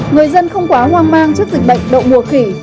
người dân không quá hoang mang trước dịch bệnh đậu mùa khỉ